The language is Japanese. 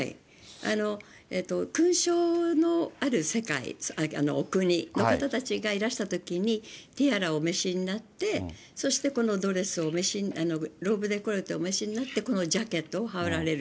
勲章のある世界、お国の方たちがいらしたときに、ティアラをお召しになって、そしてこのドレスを、ローブデコルテをお召しになって、このジャケットを羽織られる。